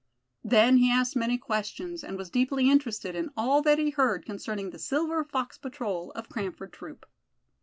Then he asked many questions, and was deeply interested in all that he heard concerning the Silver Fox Patrol of Cranford Troop.